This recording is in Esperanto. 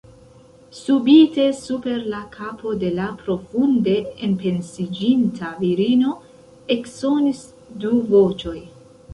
Subite super la kapo de la profunde enpensiĝinta virino eksonis du voĉoj.